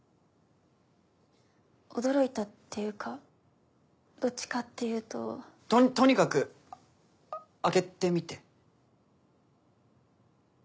驚いたっていうかどっちかっていうと。ととにかく開けてみて。